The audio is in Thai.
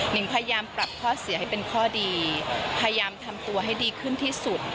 งพยายามปรับข้อเสียให้เป็นข้อดีพยายามทำตัวให้ดีขึ้นที่สุด